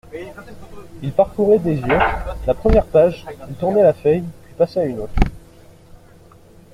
Il parcourait des yeux la première page, tournait la feuille, puis passait à un autre.